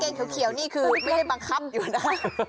กางเกงเขียวนี่คือไม่ได้บังคับอยู่นะคะ